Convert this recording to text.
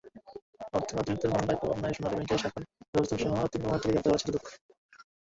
অর্থ আত্মসাতের মামলায় পাবনায় সোনালী ব্যাংকের শাখা ব্যবস্থাপকসহ তিন কর্মকর্তাকে গ্রেপ্তার করেছে দুদক।